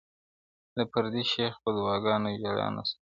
د پردي شیخ په دعاګانو ژړا نه سمیږو -